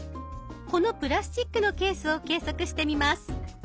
このプラスチックのケースを計測してみます。